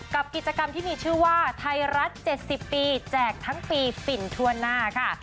กับกิจกรรมที่มีชื่อว่าไทยรัฐ๗๐ปีแจกทั้งปีฝินทั่วหน้าค่ะ